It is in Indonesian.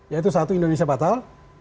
yaitu satu indonesia batal